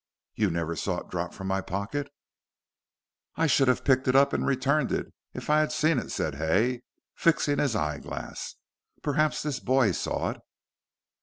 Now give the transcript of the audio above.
"You never saw it drop from my pocket?" "I should have picked it up and returned it had I seen it," said Hay, fixing his eye glass. "Perhaps this boy saw it."